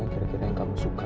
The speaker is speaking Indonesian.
kira kira yang kamu suka